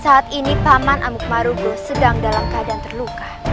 saat ini paman amukmarugung sedang dalam keadaan terluka